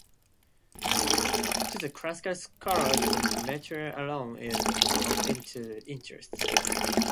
To the classical scholar the metre alone is of interest.